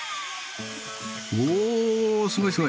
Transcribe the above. おすごいすごい！